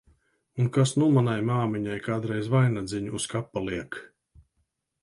Un kas nu manai māmiņai kādreiz vainadziņu uz kapa liek!